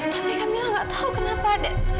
tapi kamila gak tau kenapa